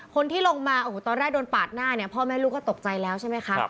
คนที่ลงมาโอ้โหตอนแรกโดนปาดหน้าเนี่ยพ่อแม่ลูกก็ตกใจแล้วใช่ไหมคะ